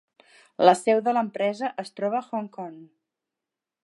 La seu de l'empresa es troba a Hong Kong.